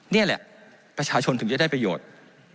นี่แหละประชาชนถึงจะได้ประโยชน์